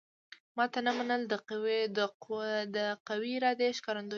ماته نه منل د قوي ارادې ښکارندوی کوي